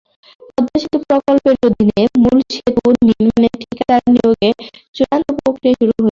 পদ্মা সেতু প্রকল্পের অধীনে মূল সেতু নির্মাণে ঠিকাদার নিয়োগের চূড়ান্ত প্রক্রিয়া শুরু হয়েছে।